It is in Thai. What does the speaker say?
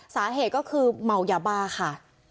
สาเหตุก็คือเมายาบ้าค่ะ